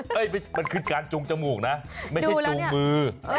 มันคือการจูงจมูกนะไม่ใช่จูงมือ